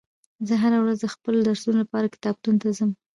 زه هره ورځ د خپلو درسونو لپاره کتابتون ته ځم